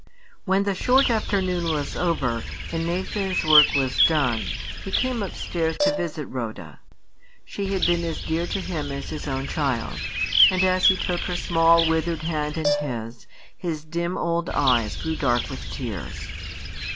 When the short afternoon was over, and Nathan's work was done, he came upstairs to visit Rhoda. She had been as dear to him as his own child; and as he took her small, withered hand in his, his dim old eyes grew dark with tears.